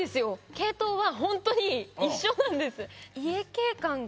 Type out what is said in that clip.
系統は本当に一緒なんです。